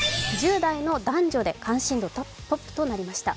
１０代の男女で関心度トップとなりました。